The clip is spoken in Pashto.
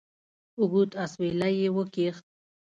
اوږد اسویلی یې وکېښ.